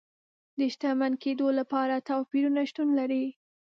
د شتمن کېدو لپاره توپیرونه شتون لري.